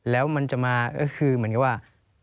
แล้วมันจะมาก็คือเหมือนกับว่า